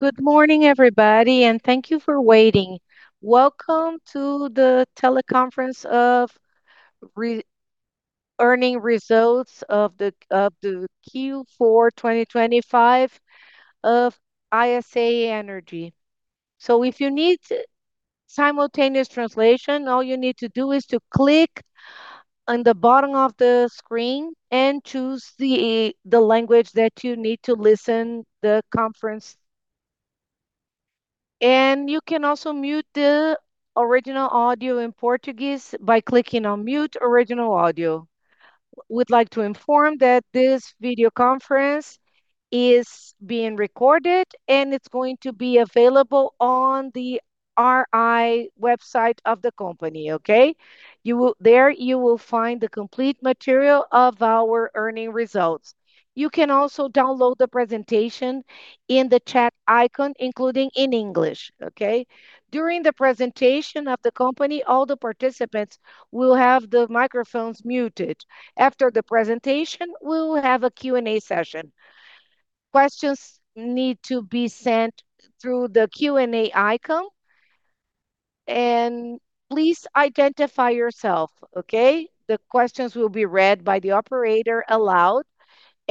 Good morning, everybody. Thank you for waiting. Welcome to the teleconference of earning results of the Q4 2025 of ISA Energía Brasil. If you need simultaneous translation, all you need to do is to click on the bottom of the screen and choose the language that you need to listen the conference. You can also mute the original audio in Portuguese by clicking on Mute Original Audio. We'd like to inform that this video conference is being recorded, and it's going to be available on the IR website of the company, okay? There, you will find the complete material of our earning results. You can also download the presentation in the chat icon, including in English, okay? During the presentation of the company, all the participants will have the microphones muted. After the presentation, we will have a Q&A session. Questions need to be sent through the Q&A icon, and please identify yourself, okay? The questions will be read by the operator aloud,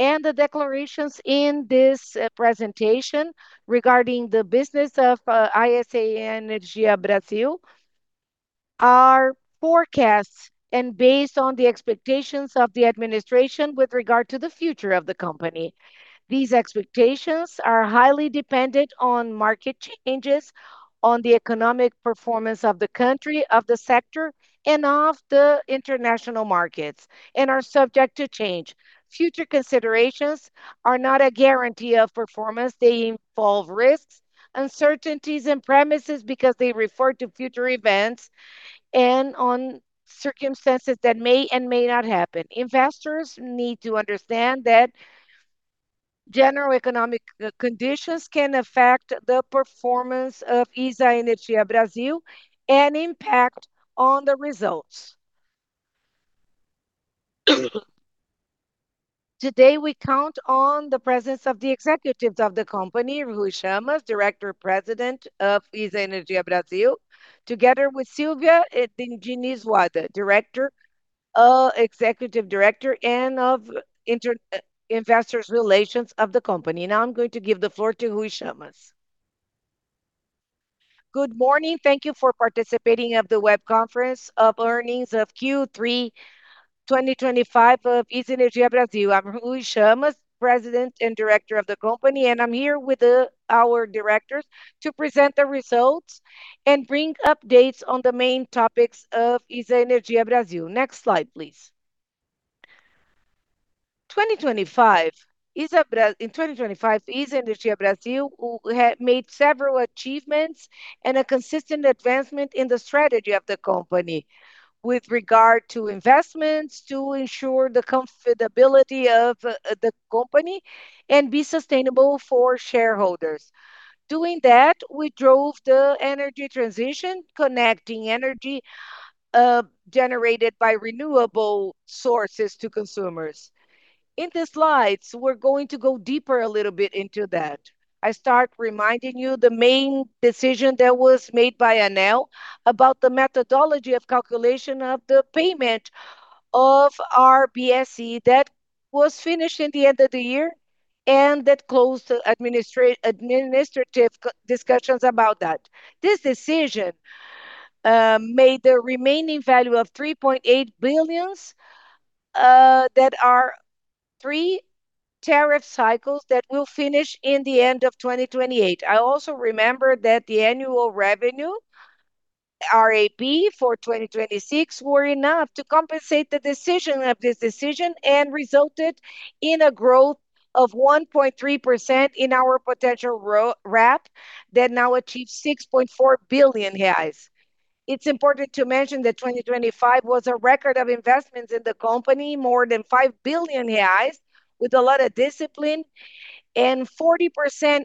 and the declarations in this presentation regarding the business of ISA Energia Brasil are forecasts, and based on the expectations of the administration with regard to the future of the company. These expectations are highly dependent on market changes, on the economic performance of the country, of the sector, and of the international markets, and are subject to change. Future considerations are not a guarantee of performance. They involve risks, uncertainties, and premises because they refer to future events and on circumstances that may and may not happen. Investors need to understand that general economic conditions can affect the performance of ISA Energia Brasil and impact on the results. Today, we count on the presence of the executives of the company, Rui Chammas, Director President of ISA Energía Brasil, together with Silvia Diniz Wada, Director, Executive Director and of Investor Relations of the company. I'm going to give the floor to Rui Chammas. Good morning. Thank you for participating of the web conference of earnings of Q4 2025 of ISA Energía Brasil. I'm Rui Chammas, President and Director of the company, and I'm here with our directors to present the results and bring updates on the main topics of ISA Energía Brasil. Next slide, please. In 2025, ISA Energía Brasil had made several achievements and a consistent advancement in the strategy of the company with regard to investments to ensure the comfortability of the company and be sustainable for shareholders. Doing that, we drove the energy transition, connecting energy generated by renewable sources to consumers. In the slides, we're going to go deeper a little bit into that. I start reminding you the main decision that was made by ANEEL about the methodology of calculation of the payment of RBSE that was finished in the end of the year, and that closed the administrative discussions about that. This decision made the remaining value of 3.8 billion that are three tariff cycles that will finish in the end of 2028. I also remember that the annual revenue, RAP, for 2026 were enough to compensate the decision of this decision and resulted in a growth of 1.3% in our potential RAP, that now achieves 6.4 billion reais. It's important to mention that 2025 was a record of investments in the company, more than 5 billion reais, with a lot of discipline, and 40%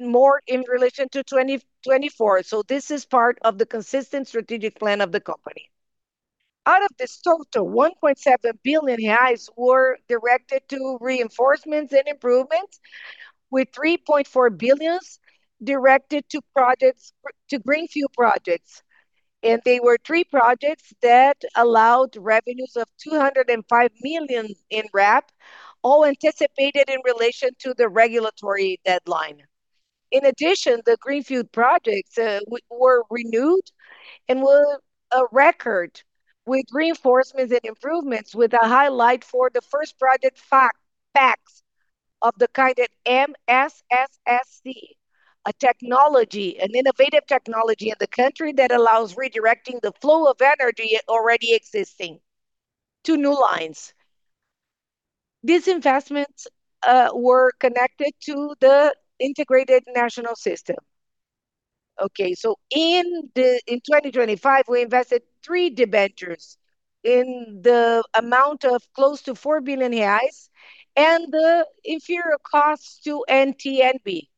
more in relation to 2024. This is part of the consistent strategic plan of the company. Out of this total, 1.7 billion reais were directed to reinforcements and improvements, with 3.4 billion directed to greenfield projects, and they were three projects that allowed revenues of 205 million in RAP, all anticipated in relation to the regulatory deadline. In addition, the greenfield projects were renewed and were a record with reinforcements and improvements, with a highlight for the first project facts of the kind that MSSSC, a technology, an innovative technology in the country, that allows redirecting the flow of energy already existing to new lines. These investments were connected to the integrated national system. In 2025, we invested 3 debentures in the amount of close to 4 billion reais, and the inferior costs to NTNB.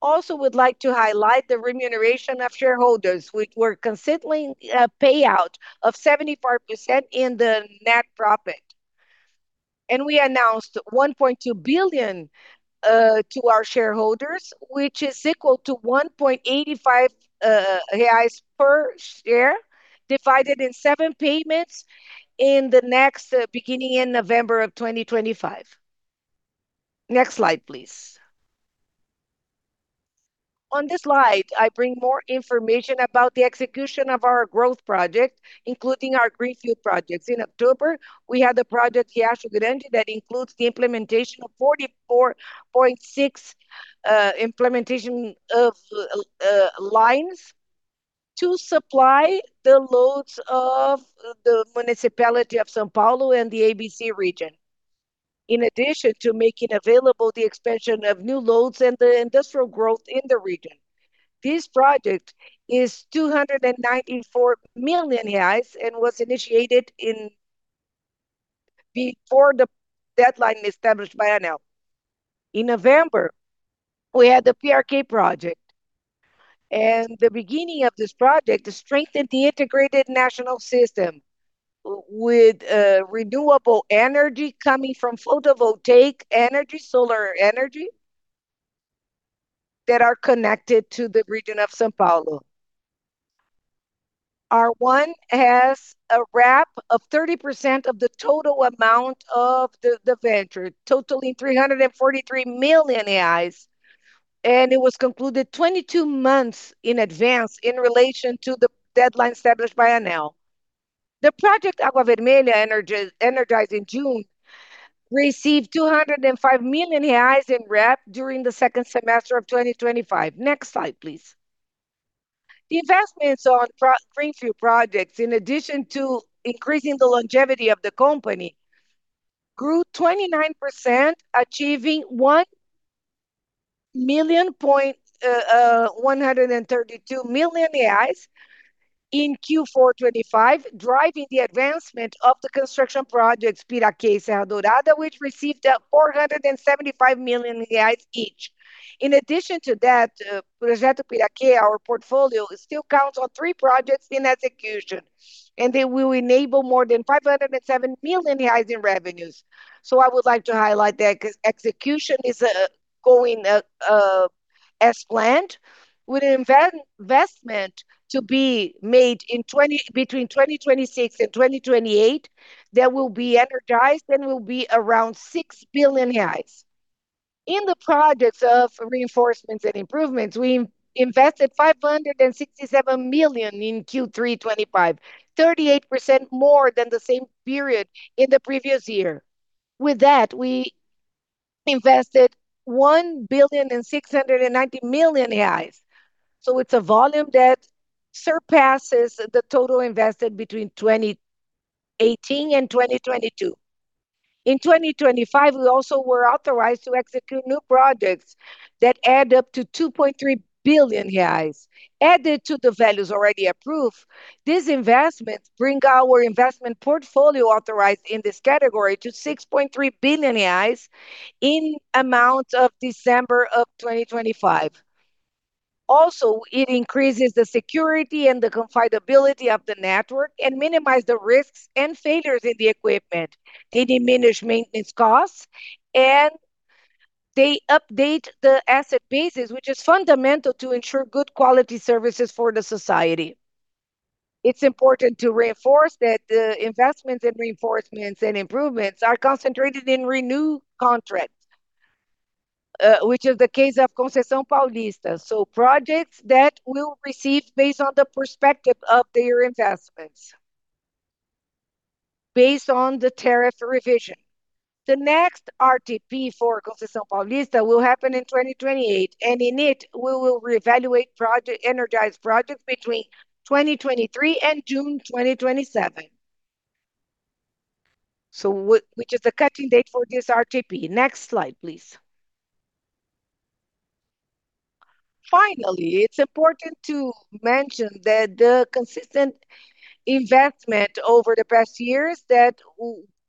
Also, would like to highlight the remuneration of shareholders, which were considering payout of 74% in the net profit. We announced 1.2 billion to our shareholders, which is equal to 1.85 reais per share, divided in 7 payments in the next, beginning in November of 2025. Next slide, please. On this slide, I bring more information about the execution of our growth project, including our greenfield projects. In October, we had the Project Tiago Guedes, that includes the implementation of 44.6 lines to supply the loads of the municipality of São Paulo and the ABC region. In addition to making available the expansion of new loads and the industrial growth in the region, this project is 294 million reais and was initiated before the deadline established by ANEEL. In November, we had the Piraquê project, the beginning of this project to strengthen the integrated national system with renewable energy coming from photovoltaic energy, solar energy, that are connected to the region of São Paulo. R1 has a RAP of 30% of the total amount of the venture, totaling 343 million reais, it was concluded 22 months in advance in relation to the deadline established by ANEEL. The Project Agua Vermelha energize in June, received 205 million reais in RAP during the second semester of 2025. Next slide, please. The investments on pro- greenfield projects, in addition to increasing the longevity of the company, grew 29%, achieving BRL 132 million in Q4 2025, driving the advancement of the construction projects, Piraquê and Serra Dourada, which received 475 million reais each. In addition to that, Projeto Piraquê, our portfolio, it still counts on three projects in execution, and they will enable more than 507 million reais in revenues. I would like to highlight that, 'cause execution is going as planned, with an investment to be made between 2026 and 2028, that will be energized and will be around 6 billion reais. In the projects of reinforcements and improvements, we invested 567 million in Q3 2025, 38% more than the same period in the previous year. With that, we invested 1.69 billion, so it's a volume that surpasses the total invested between 2018 and 2022. In 2025, we also were authorized to execute new projects that add up to 2.3 billion reais. Added to the values already approved, these investments bring our investment portfolio authorized in this category to 6.3 billion reais in amount of December of 2025. Also, it increases the security and the confidability of the network and minimize the risks and failures in the equipment. They diminish maintenance costs, and they update the asset bases, which is fundamental to ensure good quality services for the society. It's important to reinforce that the investments in reinforcements and improvements are concentrated in renew contracts, which is the case of Concession Paulista, projects that will receive based on the perspective of their investments, based on the tariff revision. The next RTP for Concession Paulista will happen in 2028, in it, we will reevaluate energize projects between 2023 and June 2027. Which is the cutting date for this RTP. Next slide, please. Finally, it's important to mention that the consistent investment over the past years, that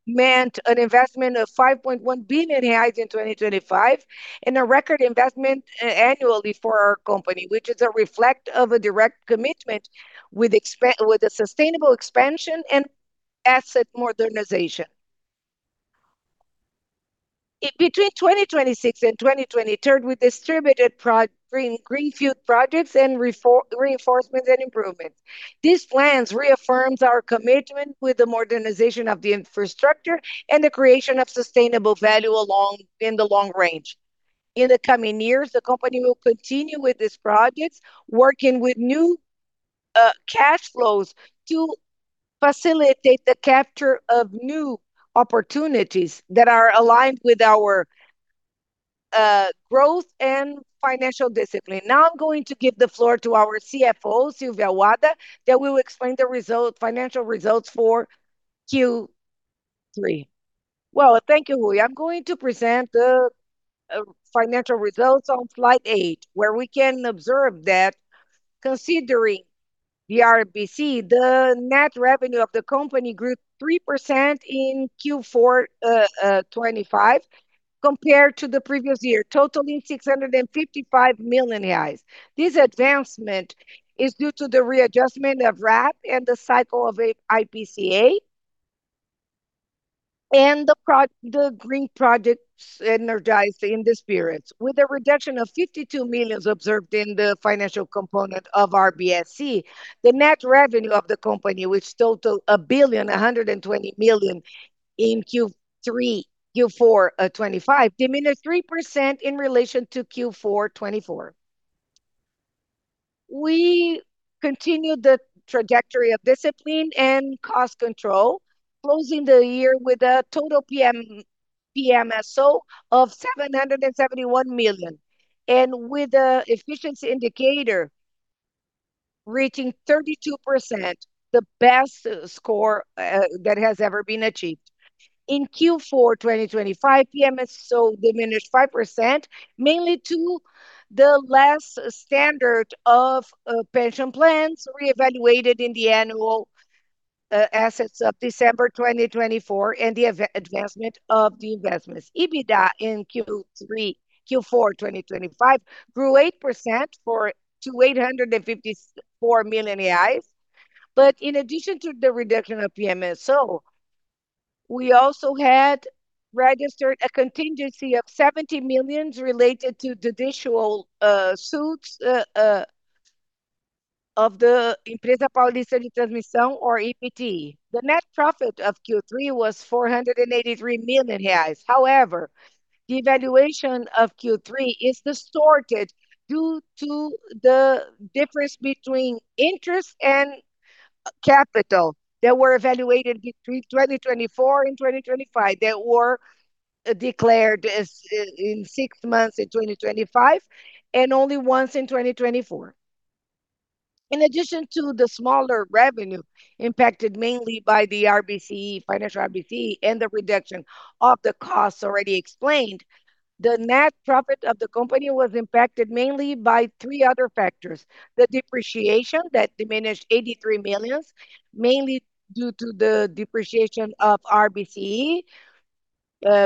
meant an investment of 5.1 billion reais in 2025, a record investment annually for our company, which is a reflect of a direct commitment with a sustainable expansion and asset modernization. In between 2026 and 2030, we distributed green, greenfield projects and reinforcements and improvements. These plans reaffirms our commitment with the modernization of the infrastructure and the creation of sustainable value in the long range. In the coming years, the company will continue with these projects, working with new cash flows to facilitate the capture of new opportunities that are aligned with our growth and financial discipline. Now, I'm going to give the floor to our CFO, Silvia Wada, that will explain the financial results for Q3. Well, thank you, Rui. I'm going to present the financial results on slide 8, where we can observe that considering the RBC, the net revenue of the company grew 3% in Q4 2025 compared to the previous year, totaling 655 million reais. This advancement is due to the readjustment of RAP and the cycle of IPCA, and the green projects energized in Espírito Santo, with a reduction of 52 million observed in the financial component of RBSE. The net revenue of the company, which total 1.12 billion in Q4 2025, diminished 3% in relation to Q4 2024. We continued the trajectory of discipline and cost control, closing the year with a total PMSO of 771 million, and with a efficiency indicator reaching 32%, the best score that has ever been achieved. In Q4 2025, PMSO diminished 5%, mainly to the last standard of pension plans, re-evaluated in the annual assets of December 2024, and the advancement of the investments. EBITDA in Q3, Q4 2025 grew 8% for, to 854 million reais. In addition to the reduction of PMSO, we also had registered a contingency of 70 million related to judicial suits of the Empresa Paulista de Transmissão, or EPT. The net profit of Q3 was 483 million reais. The evaluation of Q3 is distorted due to the difference between interest and capital that were evaluated between 2024 and 2025, that were declared as in 6 months in 2025, and only once in 2024. In addition to the smaller revenue, impacted mainly by the RBSE, financial RBSE, and the reduction of the costs already explained, the net profit of the company was impacted mainly by three other factors: The depreciation that diminished 83 million, mainly due to the depreciation of RBSE,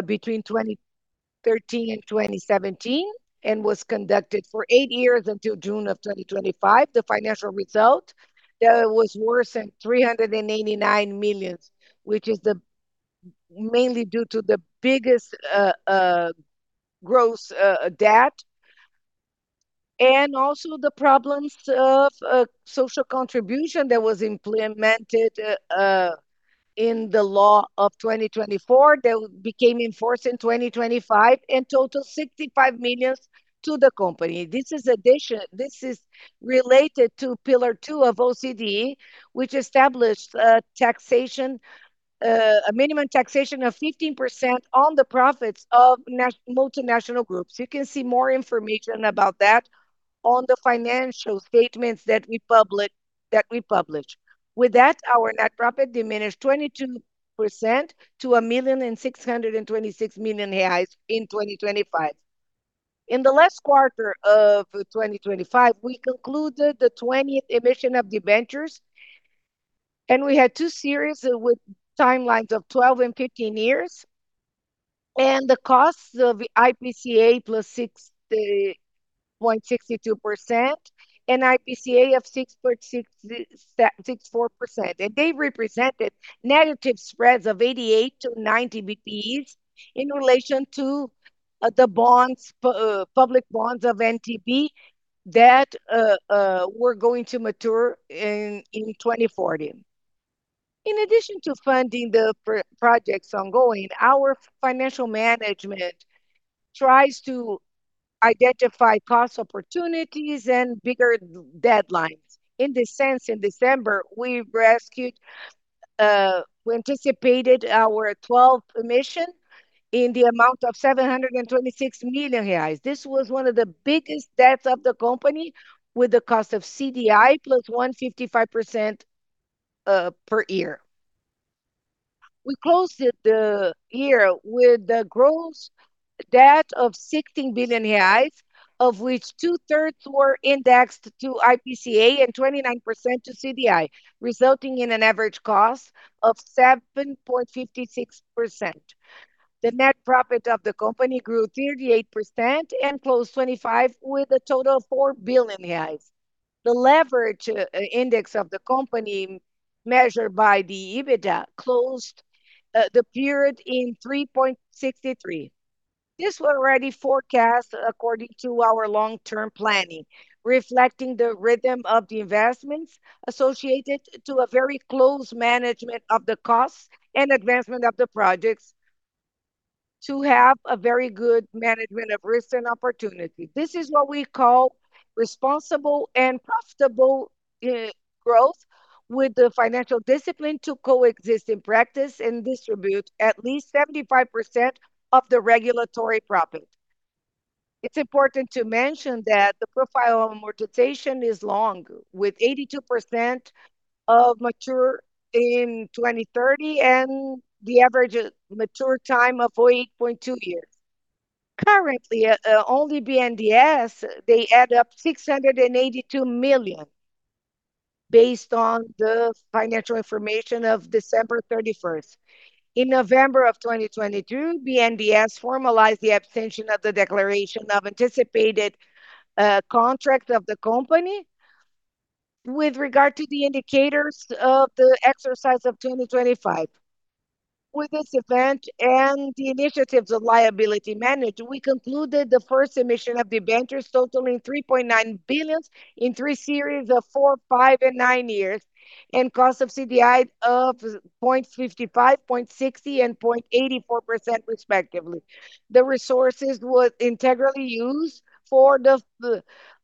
between 2013 and 2017, and was conducted for 8 years until June of 2025. The financial result, that was worse than 389 million, which is mainly due to the biggest gross debt, and also the problems of social contribution that was implemented in the law of 2024, that became enforced in 2025, and total 65 million to the company. This is related to Pillar Two of OECD, which established taxation, a minimum taxation of 15% on the profits of multinational groups. You can see more information about that on the financial statements that we published. Our net profit diminished 22% to 1,626 million in 2025. In the last quarter of 2025, we concluded the 20th emission of debentures, we had 2 series with timelines of 12 and 15 years. The costs of IPCA plus 6.62%, IPCA of 6.64%, they represented negative spreads of 88-90 BPs in relation to the bonds, public bonds of NTP that were going to mature in 2040. In addition to funding the projects ongoing, our financial management tries to identify cost opportunities and bigger deadlines. In this sense, in December, we rescued, we anticipated our 12th emission in the amount of 726 million reais. This was one of the biggest debts of the company, with the cost of CDI plus 1.55% per year. We closed the year with the gross debt of 16 billion reais, of which two-thirds were indexed to IPCA and 29% to CDI, resulting in an average cost of 7.56%. The net profit of the company grew 38% and closed 2025 with a total of 4 billion reais. The leverage index of the company, measured by the EBITDA, closed the period in 3.63. This were already forecast according to our long-term planning, reflecting the rhythm of the investments associated to a very close management of the costs and advancement of the projects to have a very good management of risk and opportunity. This is what we call responsible and profitable growth, with the financial discipline to coexist in practice, and distribute at least 75% of the regulatory profit. It's important to mention that the profile amortization is long, with 82% of mature in 2030, and the average mature time of 8.2 years. Currently, only BNDES, they add up 682 million. based on the financial information of December 31st. In November of 2022, the BNDES formalized the abstention of the declaration of anticipated contract of the company with regard to the indicators of the exercise of 2025. With this event and the initiatives of liability management, we concluded the first emission of debentures totaling 3.9 billion in three series of four, five, and nine years, and cost of CDI of 0.55%, 0.60%, and 0.84% respectively. The resources were integrally used for the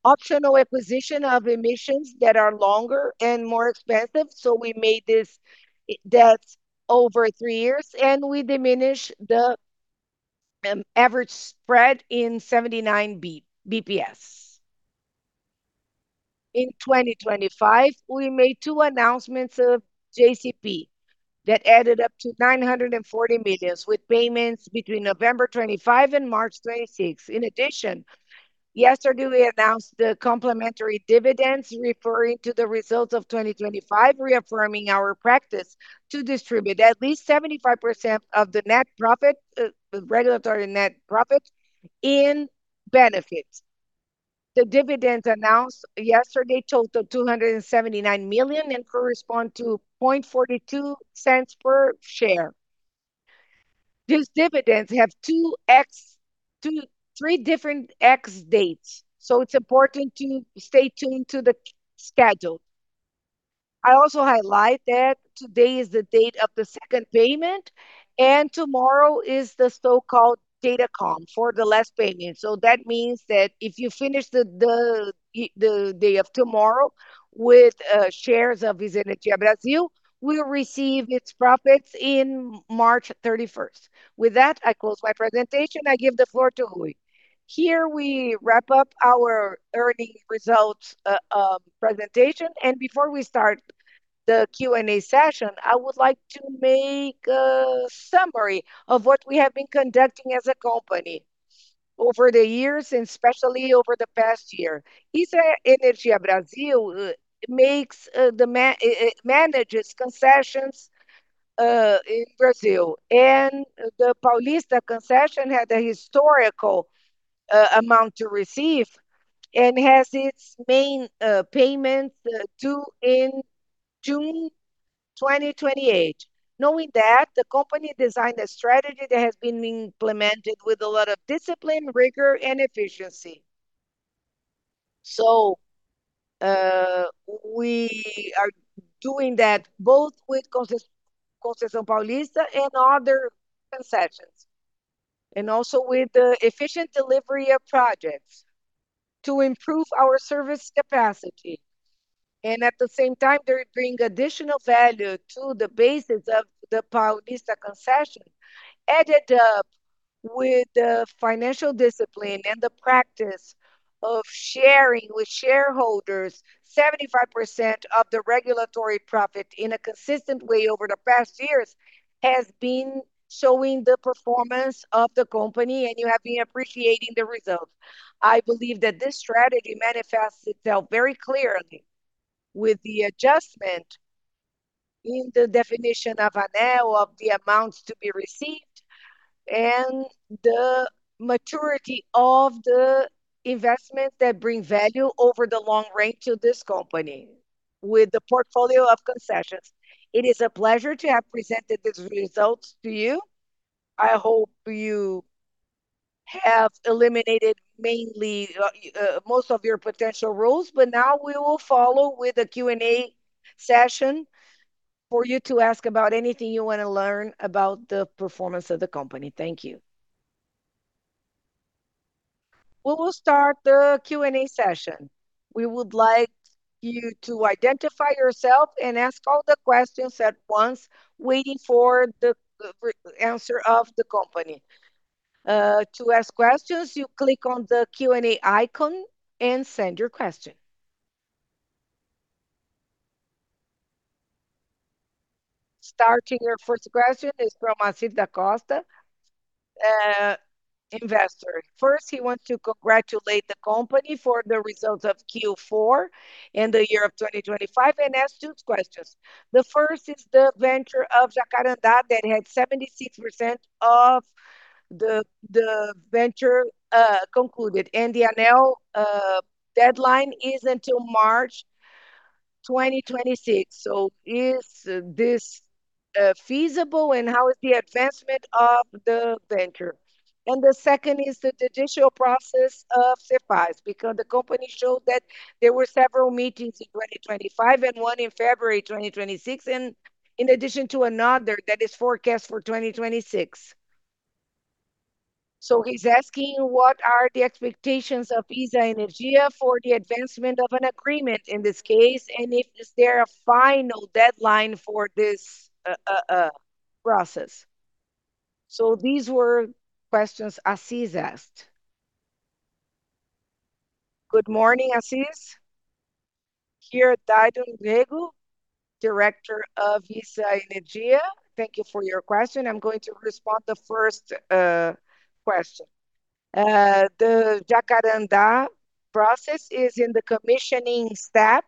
optional acquisition of emissions that are longer and more expensive, so we made this debt over three years, and we diminished the average spread in 79 BPS. In 2025, we made two announcements of JCP that added up to 940 million, with payments between November 2025 and March 2026. Yesterday, we announced the complimentary dividends referring to the results of 2025, reaffirming our practice to distribute at least 75% of the net profit, the regulatory net profit, in benefits. The dividends announced yesterday totaled 279 million and correspond to 0.42 per share. These dividends have two ex, 2-3 different ex-dates. It's important to stay tuned to the schedule. I also highlight that today is the date of the 2nd payment, and tomorrow is the so-called data com for the last payment. That means that if you finish the day of tomorrow with shares of ISA Energia Brasil, will receive its profits in March 31st. With that, I close my presentation. I give the floor to Rui. Here we wrap up our earnings results presentation, and before we start the Q&A session, I would like to make a summary of what we have been conducting as a company over the years, and especially over the past year. ISA Energia Brasil it manages concessions in Brazil, and the Paulista concession had a historical amount to receive, and has its main payments due in June 2028. Knowing that, the company designed a strategy that has been implemented with a lot of discipline, rigor, and efficiency. We are doing that both with Concession Paulista and other concessions, and also with the efficient delivery of projects to improve our service capacity, and at the same time, they bring additional value to the basis of the Paulista concession. Added up with the financial discipline and the practice of sharing with shareholders, 75% of the regulatory profit in a consistent way over the past years, has been showing the performance of the company, and you have been appreciating the results. I believe that this strategy manifests itself very clearly with the adjustment in the definition of ANEEL, of the amounts to be received, and the maturity of the investments that bring value over the long range to this company with the portfolio of concessions. It is a pleasure to have presented these results to you. I hope you have eliminated mainly most of your potential roles. Now we will follow with a Q&A session for you to ask about anything you want to learn about the performance of the company. Thank you. We will start the Q&A session. We would like you to identify yourself and ask all the questions at once, waiting for the answer of the company. To ask questions, you click on the Q&A icon and send your question. Starting our first question is from Asis da Costa, Investor. He wants to congratulate the company for the results of Q4 and the year of 2025, and ask two questions. The first is the venture of Jacarandá that had 76% of the venture concluded, and the ANEEL deadline is until March 2026. Is this feasible, and how is the advancement of the venture? The second is the judicial process of CESP, because the company showed that there were several meetings in 2025, and one in February 2026, and in addition to another that is forecast for 2026. He's asking: What are the expectations of ISA Energía Brasil for the advancement of an agreement in this case, and if is there a final deadline for this process? These were questions Asis asked. Good morning, Asis. Here, Dayron Urrego, director of ISA Energía Brasil, thank you for your question. I'm going to respond the first question. The Jacarandá process is in the commissioning step,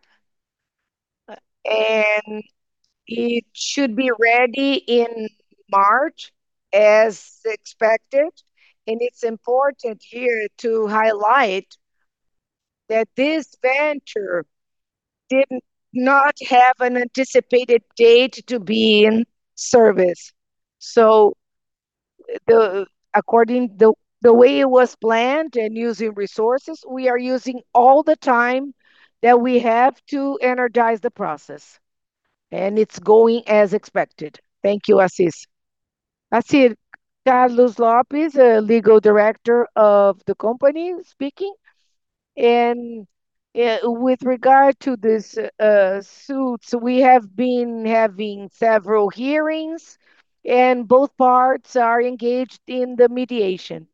and it should be ready in March, as expected. It's important here to highlight that this venture did not have an anticipated date to be in service. The way it was planned and using resources, we are using all the time that we have to energize the process, and it's going as expected. Thank you, Asis. That's it. Carlos Lopes, a legal director of the company speaking. With regard to this, suits, we have been having several hearings, and both parts are engaged in the mediation.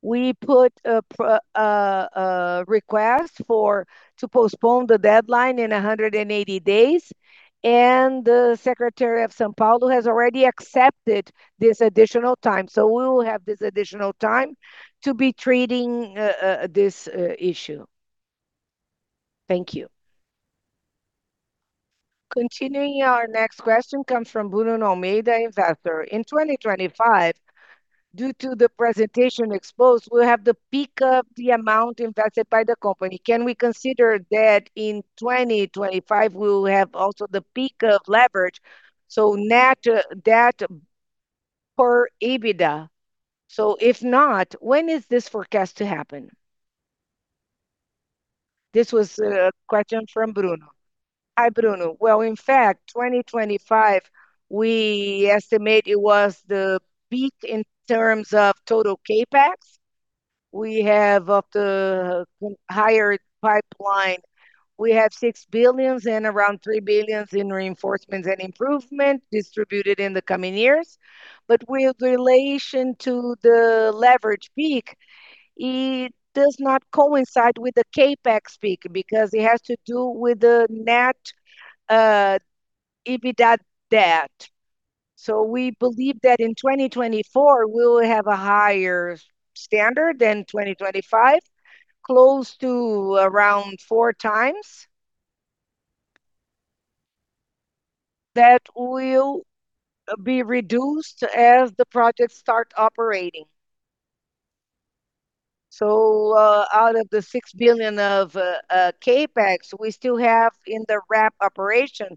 We put a request to postpone the deadline in 180 days, and the Secretary of São Paulo has already accepted this additional time. We will have this additional time to be treating this issue. Thank you. Continuing, our next question comes from Bruno Almeida, investor. In 2025, due to the presentation exposed, we'll have the peak of the amount invested by the company. Can we consider that in 2025, we will have also the peak of leverage, so net debt for EBITDA? If not, when is this forecast to happen? This was a question from Bruno. Hi, Bruno. Well, in fact, 2025, we estimate it was the peak in terms of total CapEx. We have of the higher pipeline, we have 6 billion and around 3 billion in reinforcements and improvement distributed in the coming years. With relation to the leverage peak, it does not coincide with the CapEx peak, because it has to do with the net EBITDA debt. We believe that in 2024, we will have a higher standard than 2025, close to around four times. That will be reduced as the projects start operating. Out of the 6 billion of CapEx, we still have in the ramp operation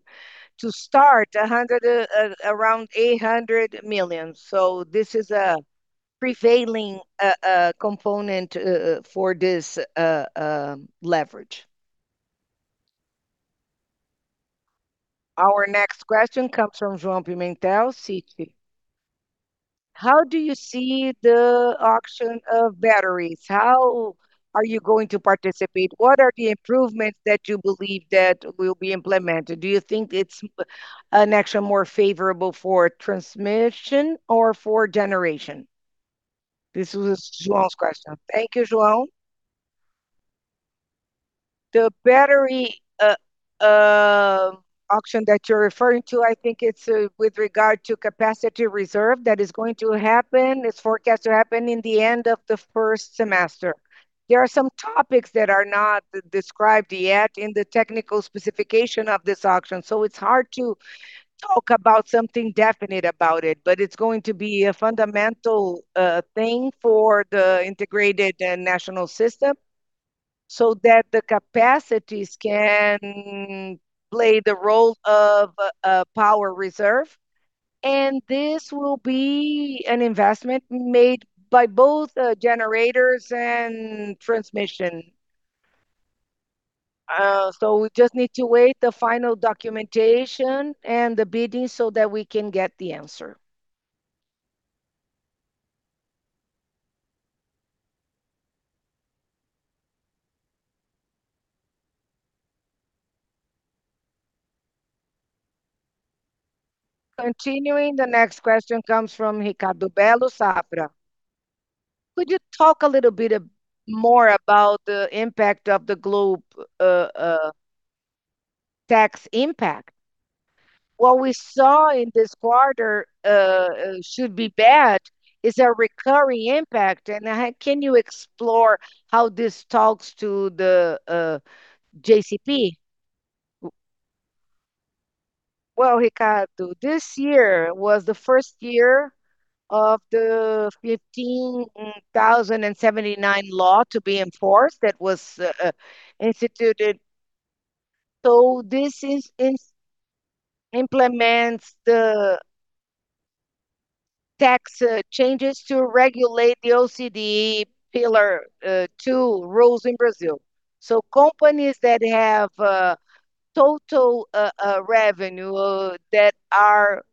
to start around 800 million. This is a prevailing component for this leverage. Our next question comes from João Pimentel, Citi. How do you see the auction of batteries? How are you going to participate? What are the improvements that you believe that will be implemented? Do you think it's an action more favorable for transmission or for generation? This was João's question. Thank you, João. The battery auction that you're referring to, I think it's with regard to capacity reserve that is going to happen, it's forecast to happen in the end of the first semester. There are some topics that are not described yet in the technical specification of this auction, so it's hard to talk about something definite about it, but it's going to be a fundamental thing for the integrated and national system, so that the capacities can play the role of a power reserve, and this will be an investment made by both generators and transmission. We just need to wait the final documentation and the bidding so that we can get the answer. The next question comes from Ricardo Bello, Safra. Could you talk a little bit more about the impact of the globe tax impact? What we saw in this quarter should be bad, is a recurring impact. Can you explore how this talks to the JCP? Well, Ricardo, this year was the first year of the 15,079 law to be enforced that was instituted. This implements the tax changes to regulate the OECD Pillar Two rules in Brazil. Companies that have total revenue that are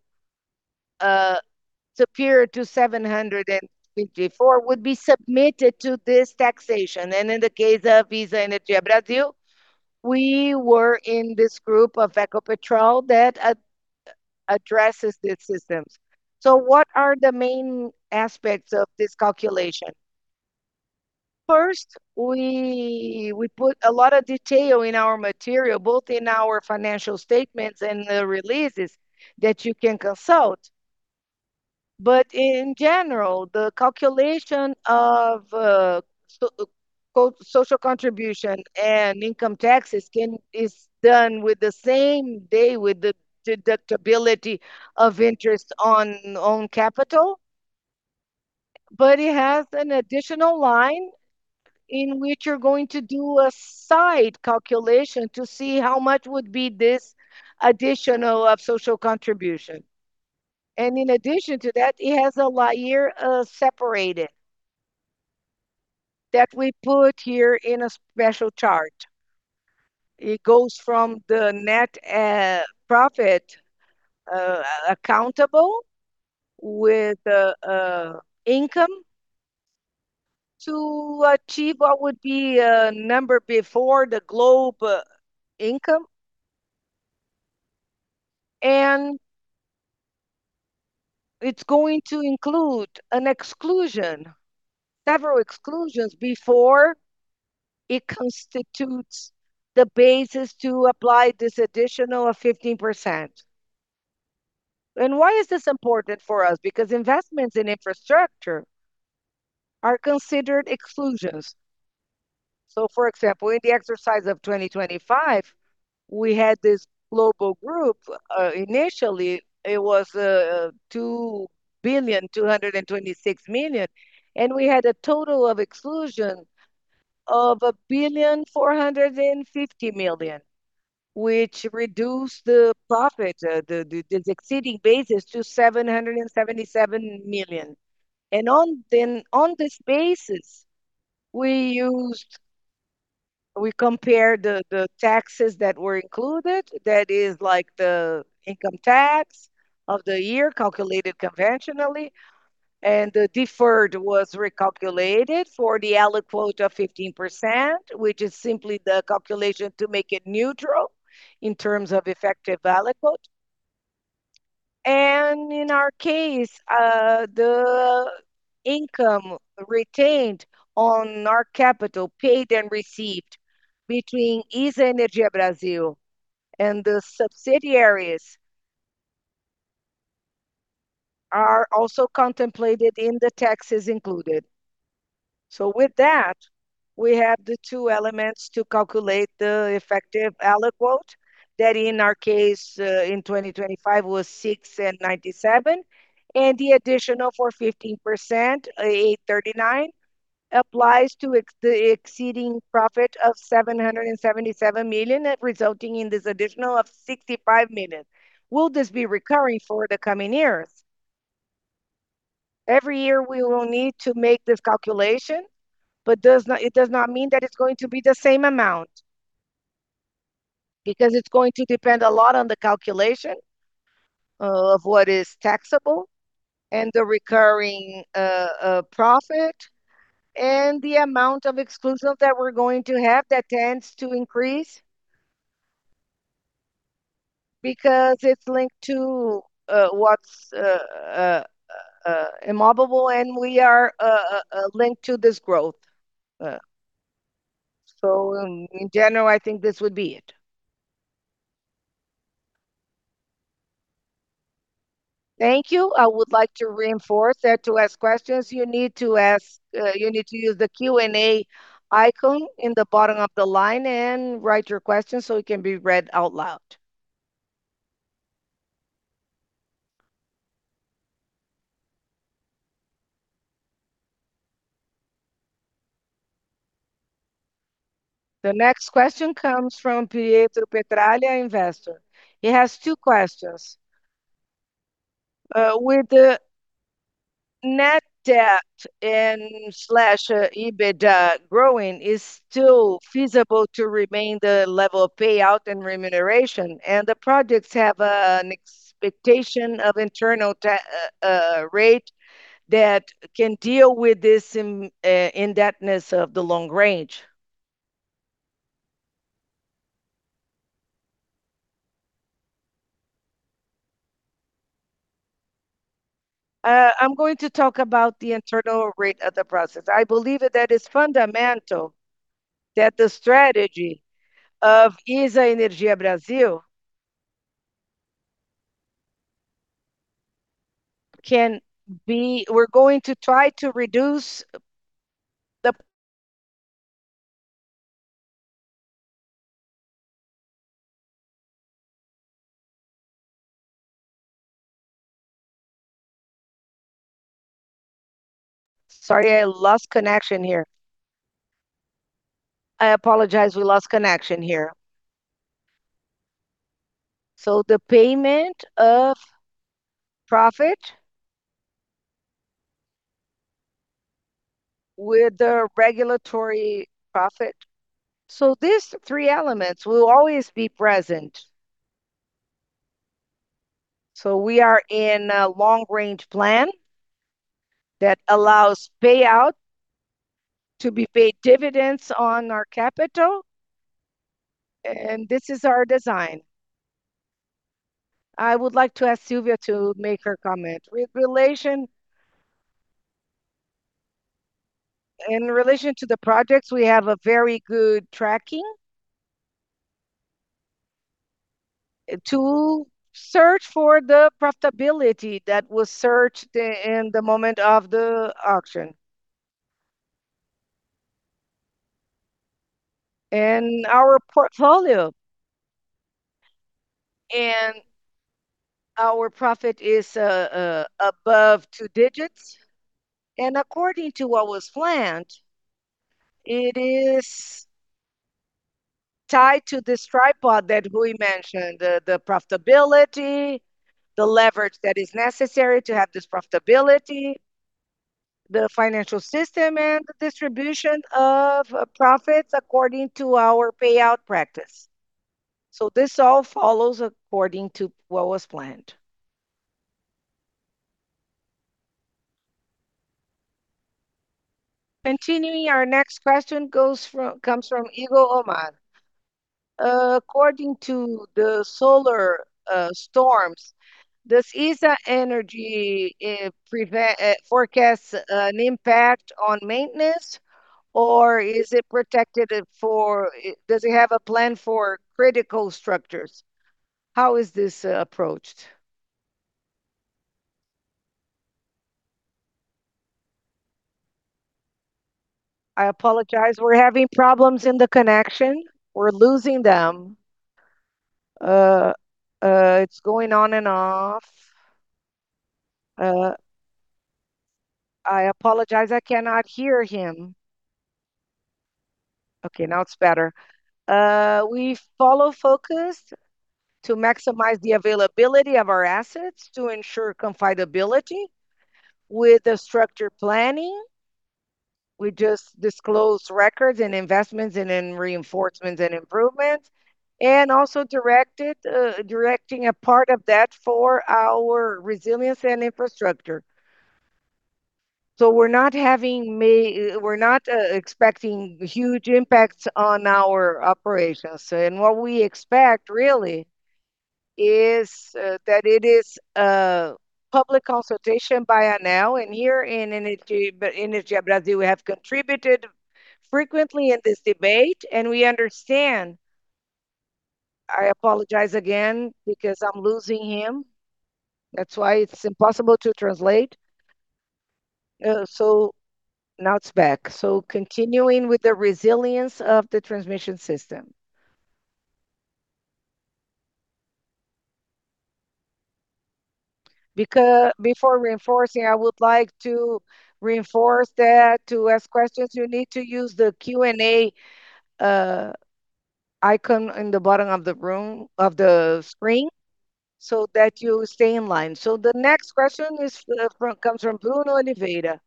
superior to 754 would be submitted to this taxation. In the case of ISA Energía Brasil, we were in this group of Ecopetrol that addresses these systems. What are the main aspects of this calculation? First, we put a lot of detail in our material, both in our financial statements and the releases that you can consult. In general, the calculation of social contribution and income taxes is done with the same day, with the deductibility of interest on capital. It has an additional line in which you're going to do a side calculation to see how much would be this additional of social contribution. In addition to that, it has a layer separated, that we put here in a special chart. It goes from the net profit accountable with the income to achieve what would be number before the globe income. It's going to include an exclusion, several exclusions, before it constitutes the basis to apply this additional of 15%. Why is this important for us? Because investments in infrastructure are considered exclusions. For example, in the exercise of 2025, we had this global group. Initially it was 2 billion 226 million, and we had a total of exclusion of 1 billion 450 million, which reduced the profit, the exceeding basis to 777 million. On this basis, we compared the taxes that were included, that is like the income tax of the year, calculated conventionally, and the deferred was recalculated for the alloc quota of 15%, which is simply the calculation to make it neutral in terms of effective alloc quote. In our case, the income retained on our capital, paid and received between ISA Energía Brasil and the subsidiaries, are also contemplated in the taxes included. With that, we have the two elements to calculate the effective alloc quote, that in our case, in 2025 was 6.97%, and the additional for 15%, 8.39%, applies to the exceeding profit of 777 million, resulting in this additional of 65 million. Will this be recurring for the coming years? Every year we will need to make this calculation, it does not mean that it's going to be the same amount, because it's going to depend a lot on the calculation of what is taxable, and the recurring profit, and the amount of exclusive that we're going to have that tends to increase. It's linked to what's immovable, and we are linked to this growth. So in general, I think this would be it. Thank you. I would like to reinforce that to ask questions, you need to use the Q&A icon in the bottom of the line and write your question so it can be read out loud. The next question comes from Pietro Petralia, investor. He has 2 questions. With the net debt/EBITDA growing, is still feasible to remain the level of payout and remuneration, and the projects have an expectation of internal rate that can deal with this indebtedness of the long range? I'm going to talk about the internal rate of the process. I believe that that is fundamental, that the strategy of ISA Energía Brasil. We're going to try to reduce the... Sorry, I lost connection here. I apologize, we lost connection here. The payment of profit with the regulatory profit, these three elements will always be present. We are in a long range plan that allows payout to be paid dividends on our capital, and this is our design. I would like to ask Silvia to make her comment. In relation to the projects, we have a very good tracking, to search for the profitability that was searched in the moment of the auction. Our portfolio and our profit is above two digits, and according to what was planned, it is tied to this tripod that Rui mentioned, the profitability, the leverage that is necessary to have this profitability, the financial system, and the distribution of profits according to our payout practice. This all follows according to what was planned. Our next question comes from Igor Amaral: "According to the solar storms, does ISA Energía Brasil forecast an impact on maintenance, or is it protected for... Does it have a plan for critical structures? How is this approached?" I apologize. We're having problems in the connection. We're losing them. It's going on and off. I apologize, I cannot hear him. Okay, now it's better. We follow focus to maximize the availability of our assets to ensure reliability with the structure planning. We just disclose records and investments, and then reinforcements and improvements, and also directing a part of that for our resilience and infrastructure. So we're not having ma- uh, we're not, uh, expecting huge impacts on our operations, and what we expect really is, uh, that it is, uh, public consultation by ANEEL, and here in Energia, Energia Brasil, we have contributed frequently in this debate, and we understand... I apologize again, because I'm losing him. That's why it's impossible to translate. Uh, so now it's back. So continuing with the resilience of the transmission system. Before reinforcing, I would like to reinforce that to ask questions, you need to use the Q&A, uh, icon in the bottom of the room-- of the screen, so that you stay in line. So the next question is, uh, from-- comes from Bruno Oliveira.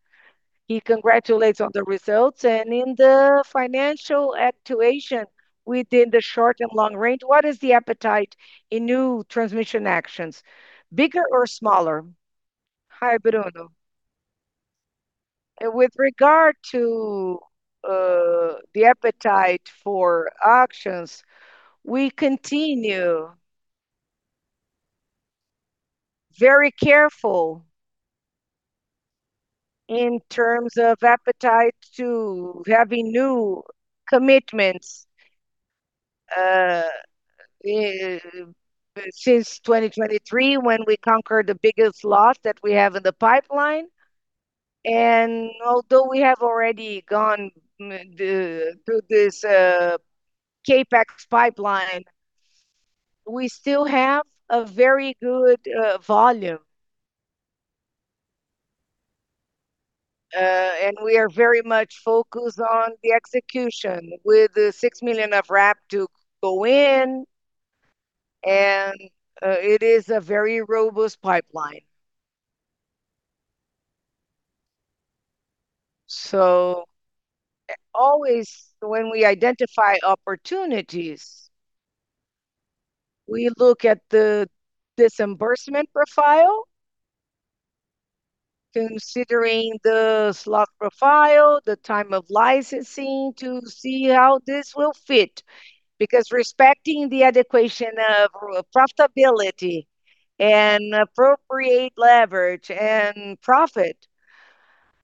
He congratulates on the results: "And in the financial actuation within the short and long range, what is the appetite in new transmission actions, bigger or smaller?" Hi, Bruno. With regard to the appetite for auctions, we continue very careful in terms of appetite to having new commitments since 2023, when we conquered the biggest lot that we have in the pipeline. Although we have already gone through this CapEx pipeline, we still have a very good volume. We are very much focused on the execution with the 6 million of RAP to go in, and it is a very robust pipeline. Always, when we identify opportunities, we look at the disbursement profile, considering the slot profile, the time of licensing, to see how this will fit. Respecting the equation of profitability and appropriate leverage and profit,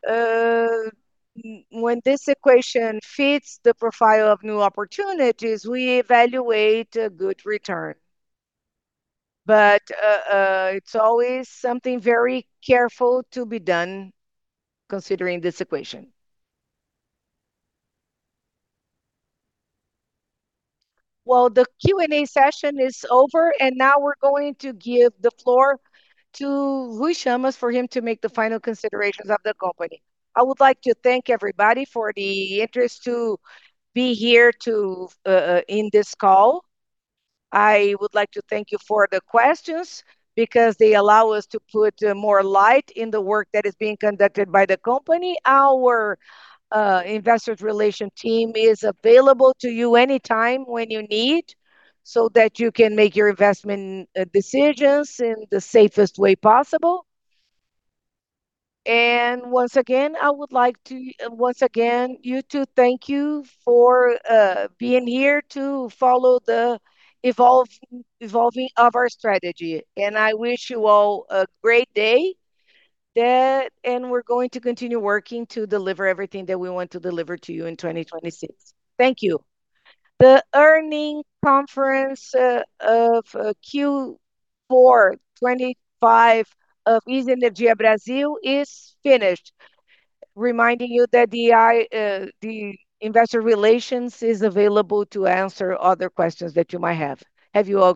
when this equation fits the profile of new opportunities, we evaluate a good return. It's always something very careful to be done, considering this equation. Well, the Q&A session is over, now we're going to give the floor to Rui Chammas for him to make the final considerations of the company. I would like to thank everybody for the interest to be here to in this call. I would like to thank you for the questions, because they allow us to put more light in the work that is being conducted by the company. Our investor relation team is available to you anytime when you need, so that you can make your investment decisions in the safest way possible. Once again, you to thank you for being here to follow the evolving of our strategy. I wish you all a great day, and we're going to continue working to deliver everything that we want to deliver to you in 2026. Thank you. The earning conference of Q4 2025 of ISA Energía Brasil is finished. Reminding you that the investor relations is available to answer other questions that you might have. Have you all good.